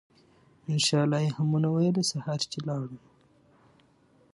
إن شاء الله ئي هم ونه ويله!! سهار چې لاړو نو